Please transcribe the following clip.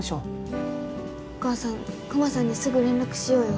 お母さんクマさんにすぐ連絡しようよ。